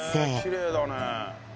きれいだね。